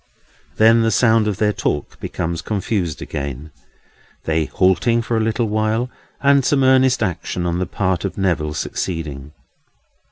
Then the sound of their talk becomes confused again; they halting for a little while, and some earnest action on the part of Neville succeeding.